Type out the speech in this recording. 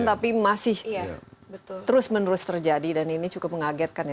tapi masih terus menerus terjadi dan ini cukup mengagetkan ya